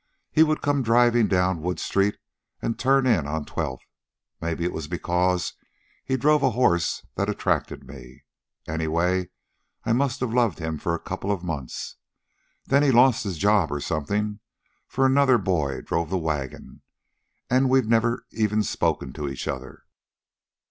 He would come driving down Wood Street and turn in on Twelfth. Maybe it was because he drove a horse that attracted me. Anyway, I must have loved him for a couple of months. Then he lost his job, or something, for another boy drove the wagon. And we'd never even spoken to each other.